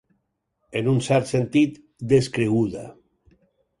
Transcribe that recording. En un cert sentit, descreguda.